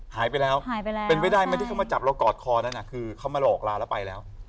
หายไปแล้วหายไปแล้วเป็นไปได้ไหมที่เขามาจับเรากอดคอนั่นคือเขามาหลอกลาแล้วไปแล้ว